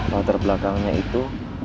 latar belakangnya itu